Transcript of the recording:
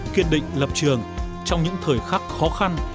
kiên định lập trường trong những thời khắc khó khăn